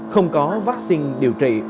không có vắc xin điều trị